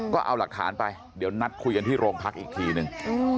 ก็เอาหลักฐานไปเดี๋ยวนัดคุยกันที่โรงพักอีกทีนึง